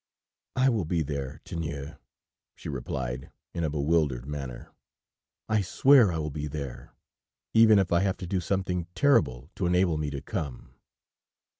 ..." "I will be there, Tiennou," she replied, in a bewildered manner. "I swear I will be there ... even if I have to do something terrible to enable me to come!"